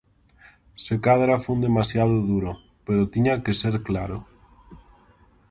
Se cadra fun demasiado duro, pero tiña que ser claro